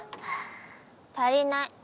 足りない。